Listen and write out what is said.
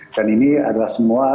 dan ini adalah semua